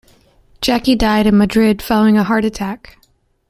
Jaki died in Madrid following a heart attack.